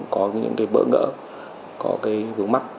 có những bỡ ngỡ có vướng mắt